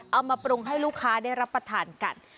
เอามาปรุงให้ลูกค้าได้รับประทานกัน